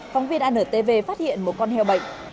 phóng viên antv phát hiện một con heo bệnh